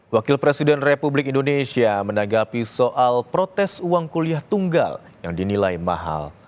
wakil presiden republik indonesia menanggapi soal protes uang kuliah tunggal yang dinilai mahal